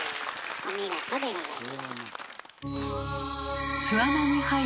お見事でございました。